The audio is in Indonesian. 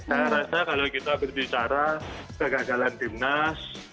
saya rasa kalau kita berbicara kegagalan timnas